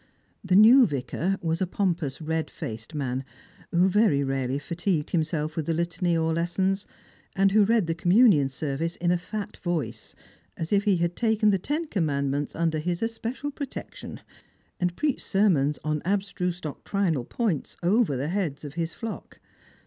The new Vicar was a pompous red faced man, who very rarely fatigued himself with the litany or lessons, and who read the communion service in a fat voice, as if he had taken the ten commandments under his especial protection, and preached sermons on abstruse doctrinal points over the heads of his flock.